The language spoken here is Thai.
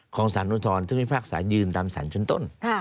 ของศาลอุทธรที่มีภาษายืนตามศาลชนต้น